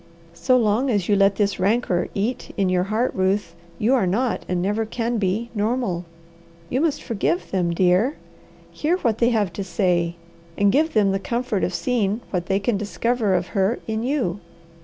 So long as you let this rancour eat in your heart, Ruth, you are not, and never can be, normal. You must forgive them, dear, hear what they have to say, and give them the comfort of seeing what they can discover of her in you.